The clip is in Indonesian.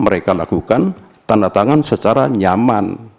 mereka lakukan tanda tangan secara nyaman